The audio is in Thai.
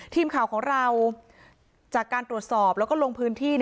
ทีมข่าวของเราจากการตรวจสอบแล้วก็ลงพื้นที่